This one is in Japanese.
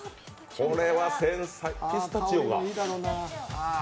これは繊細、ピスタチオが。